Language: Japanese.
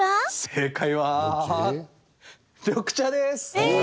正解は、緑茶です。